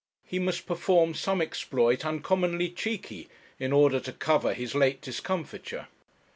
He must perform some exploit uncommonly cheeky in order to cover his late discomfiture.